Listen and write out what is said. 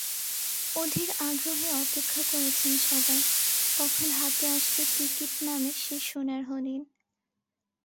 অধীর আগ্রহে অপেক্ষা করছেন সবাই—কখন হাতে আসবে টিকিট নামের সেই সোনার হরিণ।